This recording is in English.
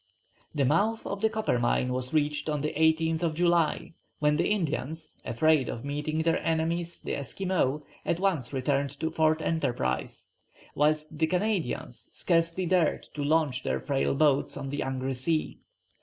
The mouth of the Coppermine was reached on the 18th July, when the Indians, afraid of meeting their enemies, the Esquimaux, at once returned to Fort Enterprise, whilst the Canadians scarcely dared to launch their frail boats on the angry sea.